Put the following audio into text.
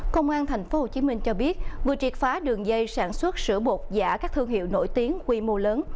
công an tp hồ chí minh cho biết vừa triệt phá đường dây sản xuất sữa bột giả các thương hiệu nổi tiếng quy mô lớn